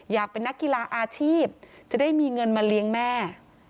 อยากเป็นนักกีฬาอาชีพจะได้มีเงินมาเลี้ยงแม่